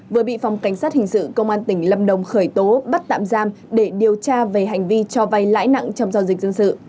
vừa bị phòng cảnh sát hình sự công an tỉnh lâm đồng khởi tố bắt tạm giam để điều tra về hành vi cho vay lãi nặng trong giao dịch dân sự